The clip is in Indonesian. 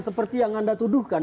seperti yang anda tuduhkan